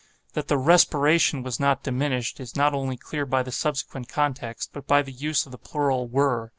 That the respiration was not 'diminished,' is not only clear by the subsequent context, but by the use of the plural, 'were.